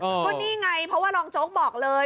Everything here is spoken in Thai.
ก็นี่ไงเพราะว่ารองโจ๊กบอกเลย